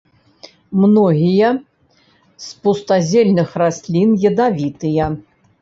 Многія з пустазельных раслін ядавітыя.